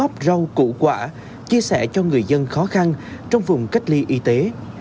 quyên góp rau củ quả chia sẻ cho người dân khó khăn trong vùng cách ly y tế